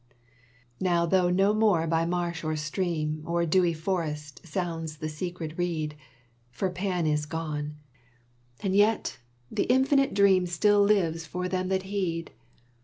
Now though no more by marsh or stream Or dewy forest sounds the secret reed For Pan is gone Ah yet, the infinite dream Still lives for them that heed.